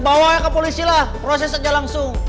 bawa aja ke polisi lah proses aja langsung